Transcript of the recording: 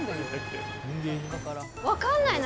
分かんないの。